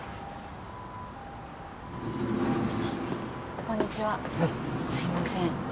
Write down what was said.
こんにちはすいません